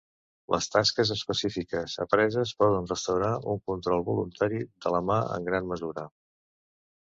Les tasques específiques apreses poden restaurar un control voluntari de la mà en gran mesura.